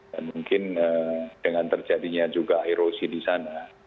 dan mungkin dengan terjadinya juga erosi di sana